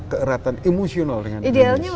keeratan emosional dengan indonesia